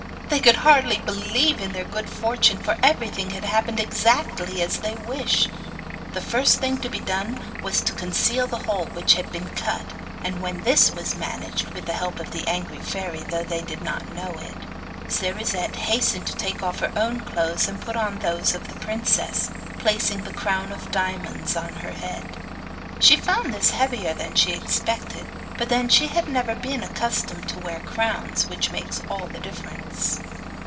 They could hardly believe in their good fortune, for everything had happened exactly as they wished. The first thing to be done was to conceal the hole which had been cut, and when this was managed (with the help of the angry fairy, though they did not know it), Cerisette hastened to take off her own clothes, and put on those of the princess, placing the crown of diamonds on her head. She found this heavier than she expected; but then, she had never been accustomed to wear crowns, which makes all the difference.